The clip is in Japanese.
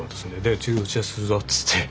で「次打ち合わせするぞ」つって。